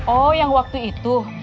oh yang waktu itu